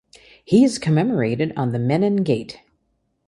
He is commemorated on the Menin Gate.